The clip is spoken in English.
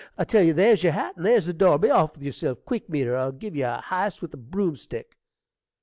I tell you there's your hat, and there's the door: be off with yerself, quick metre, or I'll give ye a h'ist with the broomstick.